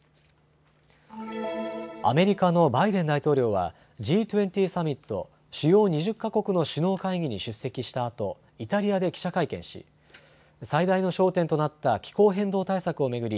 アメリカのバイデン大統領はＧ２０サミット・主要２０か国の首脳会議に出席したあとイタリアで記者会見し最大の焦点となった気候変動対策を巡り